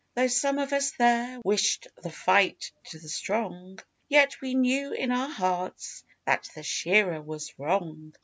Though some of us there wished the fight to the strong, Yet we knew in our hearts that the shearer was wrong.